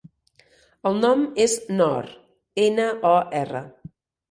El nom és Nor: ena, o, erra.